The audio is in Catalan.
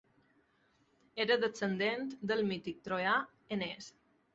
Era descendent del mític troià Enees.